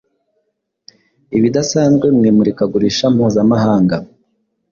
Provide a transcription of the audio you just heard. ibidasanzwe mu imurikagurisha mpuzamahanga